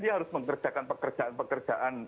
dia harus mengerjakan pekerjaan pekerjaan